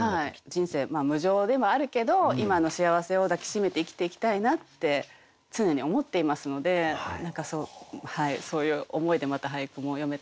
人生無常でもあるけど今の幸せを抱き締めて生きていきたいなって常に思っていますので何かそうそういう思いでまた俳句もよめたらなと。